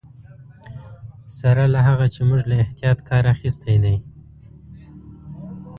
سره له هغه چې موږ له احتیاط کار اخیستی دی.